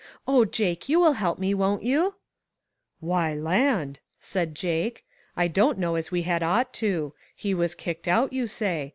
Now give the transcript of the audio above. O Jake, you will help me, won't you ?"" Why, land !" said Jake, " I don't know as we had ought to. He was kicked out, you say.